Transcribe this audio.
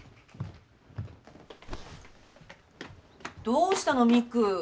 どうしたの未来。